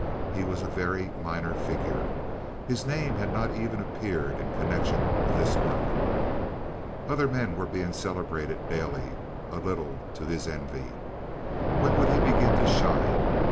He was a very minor figure. His name had not even appeared in connection with this work. Other men were being celebrated daily, a little to his envy. When would he begin to shine?